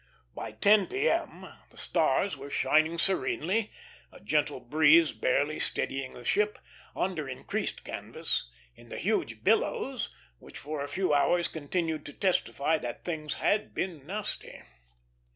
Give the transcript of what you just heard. By 10 P.M. the stars were shining serenely, a gentle breeze barely steadying the ship, under increased canvas, in the huge billows which for a few hours continued to testify that things had been nasty.